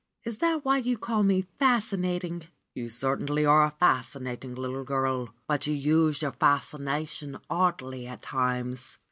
Is that why you call me fascinating?" "You certainly are fascinating, little girl, but you use your fascination oddly at times."